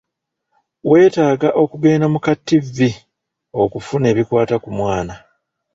Weetaaga okugenda mu kattivi okufuna ebikwata ku mwana.